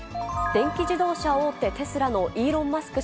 電気自動車大手、テスラのイーロン・マスク